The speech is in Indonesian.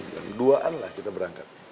jam dua an lah kita berangkat